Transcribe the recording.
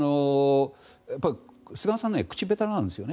菅さんは口下手なんですよね。